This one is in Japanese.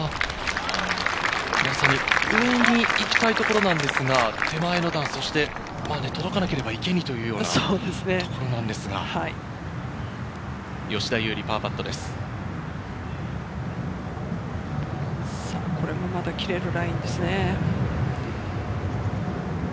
まさに上に行きたいところなんですが、手前の段、そして届かなければ池にというようなところなんですが、これはまた切れるラインですね。